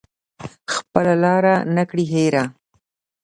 خپله لاره نه کړي هیره